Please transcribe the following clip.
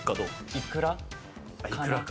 いくらか。